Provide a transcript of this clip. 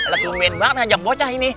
gak mungkin banget ngajak bocah ini